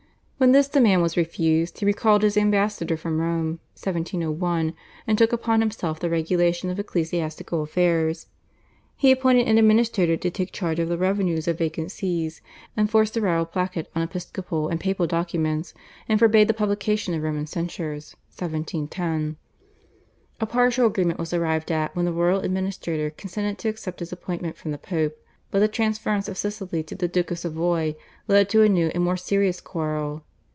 When this demand was refused he recalled his ambassador from Rome (1701), and took upon himself the regulation of ecclesiastical affairs. He appointed an administrator to take charge of the revenues of vacant Sees, enforced the /Royal Placet/ on episcopal and papal documents, and forbade the publication of Roman censures (1710). A partial agreement was arrived at when the royal administrator consented to accept his appointment from the Pope, but the transference of Sicily to the Duke of Savoy led to a new and more serious quarrel.